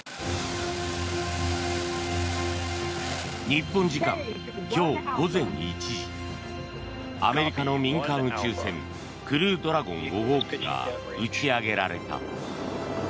日本時間今日午前１時アメリカの民間宇宙船クルードラゴン５号機が打ち上げられた。